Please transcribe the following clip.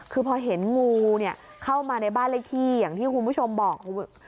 คือพอเห็นงูเนี่ยเข้ามาในบ้านเลขที่อย่างที่คุณผู้ชมบอก